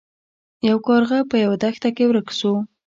یو کارغه په یوه دښته کې ورک شو.